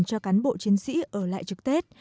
cho cán bộ chiến sĩ ở lại trước tết